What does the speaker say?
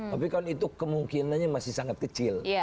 tapi kan itu kemungkinannya masih sangat kecil